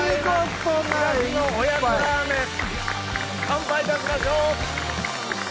乾杯いたしましょう！